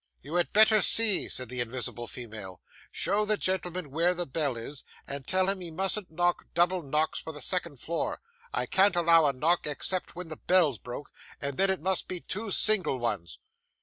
'You had better see,' said the invisible female. 'Show the gentleman where the bell is, and tell him he mustn't knock double knocks for the second floor; I can't allow a knock except when the bell's broke, and then it must be two single ones.